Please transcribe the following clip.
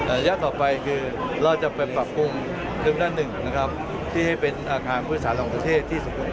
ระยะต่อไปคือเราจะไปปรับปรุงเรื่องด้านหนึ่งนะครับที่ให้เป็นอาคารผู้โดยสารของประเทศที่สมบูรณ์